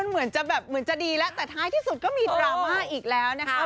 มันเหมือนจะดีและท้ายที่สุดก็มีดรามาอีกแล้วนะครับ